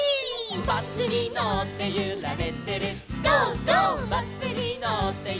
「バスにのってゆられてる「ゴー！ゴー！」